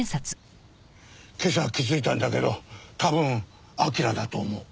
今朝気づいたんだけど多分彬だと思う。